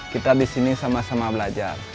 kita di sini sama sama belajar